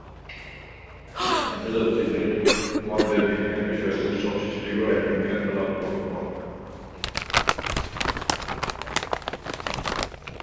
ছাত্রছাত্রীদের মধ্যে বিজ্ঞান বিষয়ে উৎসাহ সৃষ্টি করাই বিজ্ঞান মেলার লক্ষ্য।